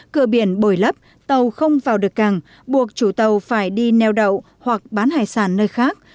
cửa biển bồi lấp tàu không vào được càng buộc chủ tàu phải đi neo đậu hoặc bán hải sản nơi khác